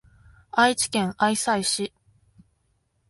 愛知県愛西市